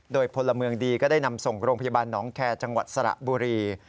โดยพลเมืองดีก็ได้นำส่งโรงพยาบาลหนองแคร์จังหวัดสระบุรี